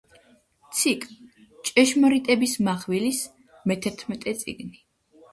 ციკლ „ჭეშმარიტების მახვილის“ მეთერთმეტე წიგნი.